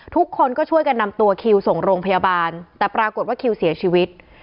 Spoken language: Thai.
ทุกคนก็ช่วยกันนำตัวคิวส่งโรงพยาบาลแต่ปรากฏว่าคิวเสียชีวิต